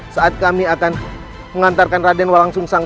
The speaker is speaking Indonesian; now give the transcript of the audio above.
saat kami akan mengantarkan raden walang sungsang